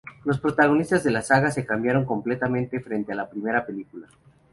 Los protagonistas de la saga se cambiaron completamente frente a la primera película.